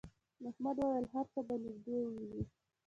احمد وویل هر څه به نږدې ووینې.